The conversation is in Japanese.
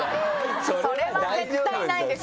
それは絶対ないですよ。